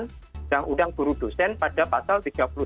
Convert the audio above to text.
undang undang guru dosen pada pasal tiga puluh satu